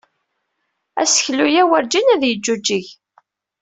Aseklu-a werǧin ad yeǧǧuǧǧeg.